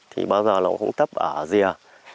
thì bao giờ cũng tấp ở rìa